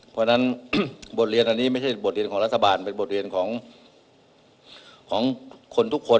เพราะฉะนั้นบทเรียนอันนี้ไม่ใช่บทเรียนของรัฐบาลเป็นบทเรียนของคนทุกคน